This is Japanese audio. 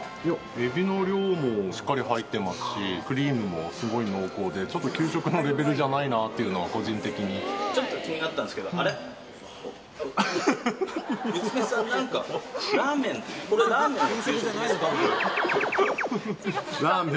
エビの量もしっかり入ってますし、クリームもすごい濃厚で、ちょっと給食のレベルじゃないなちょっと気になったんですけど、あれ、娘さん、なんか、ラーメン、これ、ラーメン、雨。